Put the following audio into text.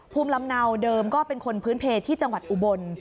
ภูมิลำเนาเดิมก็เป็นคนพื้นเพที่จังหวัดอุบล